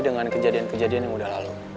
dengan kejadian kejadian yang udah lalu